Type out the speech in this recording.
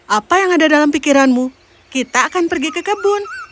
apa yang ada dalam pikiranmu kita akan pergi ke kebun